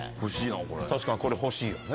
確かにこれ欲しいよね。